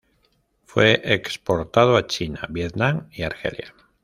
Fue exportado a China, Vietnam y Argelia.